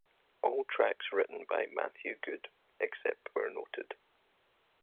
All tracks written by Matthew Good, except where noted.